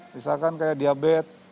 misalkan kayak diabetes